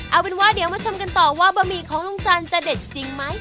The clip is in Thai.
เอาเป็นว่าเดี๋ยวมาชมกันต่อว่าบะหมี่ของลุงจันทร์จะเด็ดจริงไหม